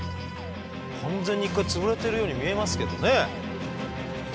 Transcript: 完全に一回潰れてるように見えますけどね。